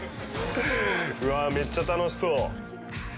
うわあ、めっちゃ楽しそう。